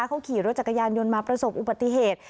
เขาขี่รถจักรยานยนต์มาประสบอุบัติเหตุ